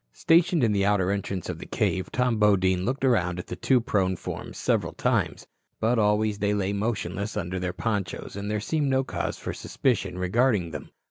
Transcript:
Stationed in the outer entrance of the cave, Tom Bodine looked around at the two prone forms several times. But always they lay motionless under their ponchos, and there seemed no cause for suspicion regarding them.